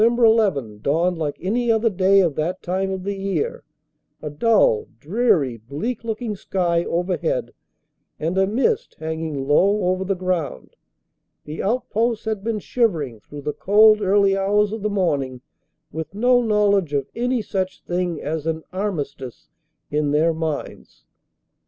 1 1 dawned like any other day of that time of the year, a dull, dreary, bleak looking sky over head and a mist hanging low over the ground. The outposts had been shivering through the cold early hours of the morn ing with no knowledge of any such thing as an armistice in their minds.